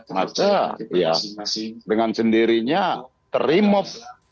maka ya dengan sendirinya terimot